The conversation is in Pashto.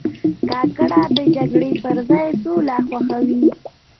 کاکړ د جګړې پر ځای سوله خوښوي.